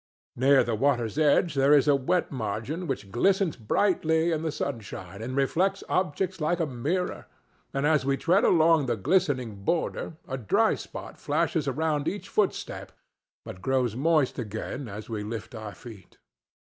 Near the water's edge there is a wet margin which glistens brightly in the sunshine and reflects objects like a mirror, and as we tread along the glistening border a dry spot flashes around each footstep, but grows moist again as we lift our feet.